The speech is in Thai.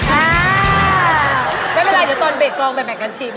ไม่เป็นไรเดี๋ยวตอนเบรกกองแบ่งกันชิม